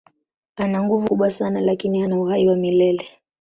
Ana nguvu kubwa sana lakini hana uhai wa milele.